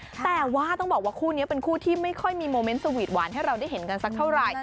แต่ว่าต้องบอกว่าคู่นี้เป็นคู่ที่ไม่ค่อยมีโมเมนต์สวีทหวานให้เราได้เห็นกันสักเท่าไหร่